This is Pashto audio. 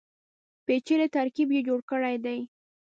پېچلی ترکیب یې جوړ کړی دی.